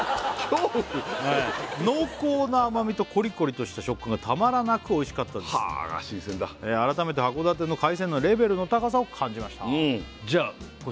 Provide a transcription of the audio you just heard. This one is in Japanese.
恐怖はい濃厚な甘みとコリコリとした食感がたまらなく美味しかったですはあ新鮮だ改めて函館の海鮮のレベルの高さを感じました